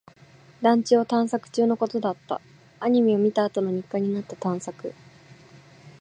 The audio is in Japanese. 団地を探索中のことだった。アニメを見たあとの日課になった探索。